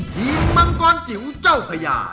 มังกรจิ๋วเจ้าพญา